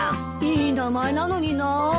いい名前なのになぁ。